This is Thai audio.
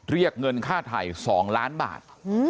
เรียกเงินค่าถ่าย๒ล้านบาท